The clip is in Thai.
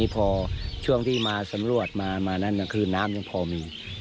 พอช่วงที่มาสำรวจน้ำยังพอมี